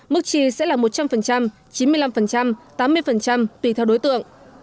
mức chi sẽ là một trăm linh chín mươi năm tám mươi tùy theo đối tượng